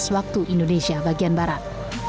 waktu indonesia bagian barat